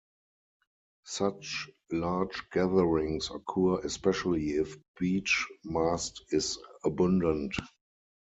Such large gatherings occur especially if beech mast is abundant.